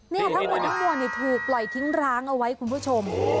นี่ทั้งหมดทั้งมวลถูกปล่อยทิ้งร้างเอาไว้คุณผู้ชม